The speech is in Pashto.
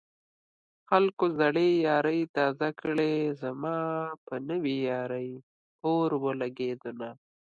خلکو زړې يارۍ تازه کړې زما په نوې يارۍ اور ولګېدنه